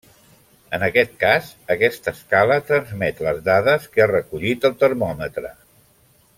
En aquest cas, aquesta escala transmet les dades que ha recollit el termòmetre.